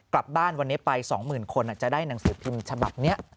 กลับบ้านไปด้วย